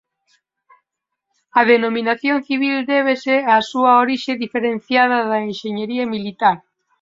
A denominación "civil" débese á súa orixe diferenciada da enxeñaría militar.